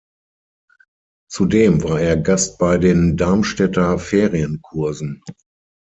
Zudem war er Gast bei den Darmstädter Ferienkursen.